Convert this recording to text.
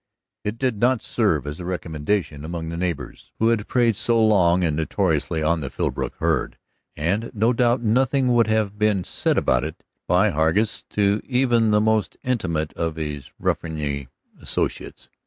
It did not serve as a recommendation among the neighbors who had preyed so long and notoriously on the Philbrook herd, and no doubt nothing would have been said about it by Hargus to even the most intimate of his ruffianly associates.